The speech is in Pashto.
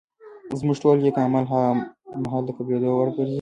زموږ ټول نېک اعمال هغه مهال د قبلېدو وړ ګرځي